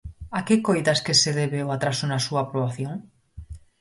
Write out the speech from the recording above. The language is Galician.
A que coidas que se debe o atraso na súa aprobación?